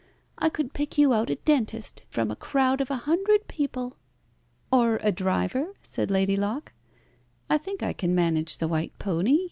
I could pick you out a dentist from a crowd of a hundred people." "Or a driver?" said Lady Locke. "I think I can manage the white pony.